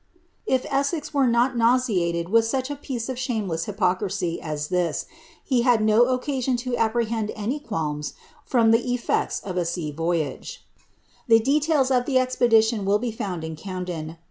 "' If E^ssel "«* not nauseated with such a piece of shameless hypocrisy as this, he htt no occasion lo apprehend any qualms from the effects of a sea voviK The details of the expedition will be found in Camden.